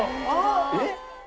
えっ？